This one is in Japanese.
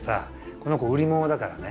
この子売り物だからね。